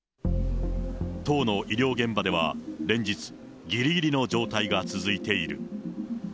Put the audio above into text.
当の医療現場では連日、ぎりぎりの状態が続いている。